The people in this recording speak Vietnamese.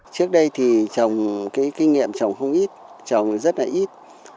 trước đây thì trồng cái kinh nghiệm trồng không ít trồng rất là ít